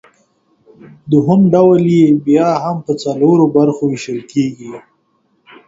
دوهم ډول یې بیا هم پۀ څلورو برخو ویشل کیږي